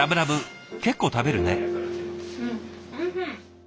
結構食べるね。